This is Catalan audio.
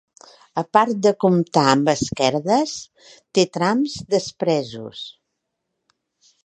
A part de comptar amb esquerdes, té trams despresos.